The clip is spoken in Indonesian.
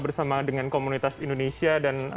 bersama dengan komunitas indonesia dan